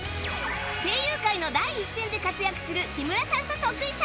声優界の第一線で活躍する木村さんと徳井さん